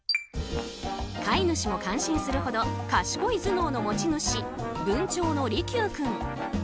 飼い主も感心するほど賢い頭脳の持ち主文鳥の利休君。